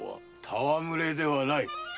たわむれではない！